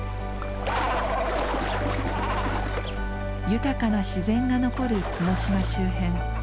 豊かな自然が残る角島周辺。